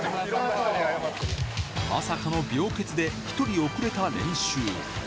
まさかの病欠で、１人遅れた練習。